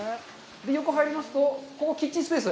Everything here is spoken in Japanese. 横入りますと、キッチンスペース。